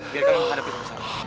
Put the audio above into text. biar kamu menghadapi penyusup